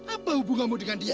apa hubunganmu dengan dia